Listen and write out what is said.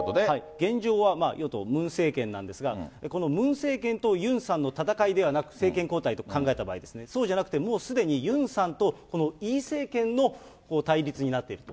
現状は与党、ムン政権なんですが、このムン政権とユンさんの戦いではなく、政権交代と考えた場合ですね、そうじゃなくて、もうすでに、ユンさんとこのイ政権の対立になっていると。